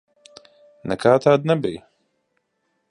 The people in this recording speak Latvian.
Nekā tāda nebija.